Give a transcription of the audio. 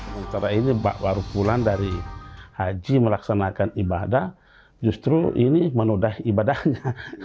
secara ini bak warupulan dari haji melaksanakan ibadah justru ini menodai ibadahnya